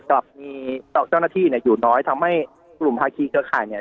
กลับมีเจ้าหน้าที่เนี่ยอยู่น้อยทำให้กลุ่มภาคีเครือข่ายเนี่ย